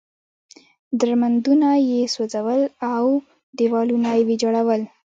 درمندونه یې سوځول او دېوالونه یې ویجاړول.